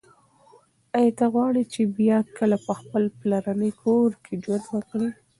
ایا ته غواړي چې بیا کله په خپل پلرني کور کې ژوند وکړې؟